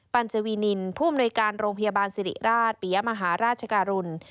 ัญจวีนินผู้อำนวยการโรงพยาบาลสิริราชปิยมหาราชการุล